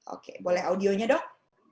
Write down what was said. oke boleh audionya dok